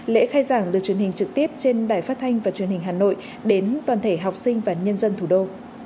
lễ khai giảng được truyền hình trực tiếp trên đài phát thanh và truyền hình hà nội đến toàn thể học sinh và nhân dân thủ đô